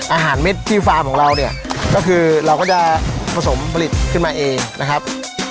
เม็ดที่ฟาร์มของเราเนี่ยก็คือเราก็จะผสมผลิตขึ้นมาเองนะครับ